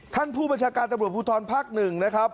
ท่านผู้บัชการตำรวจพุทธรณภักดิ์๑นะครับ